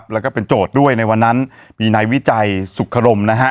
แล้วก็เป็นโจทย์ด้วยในวันนั้นมีนายวิจัยสุขรมนะฮะ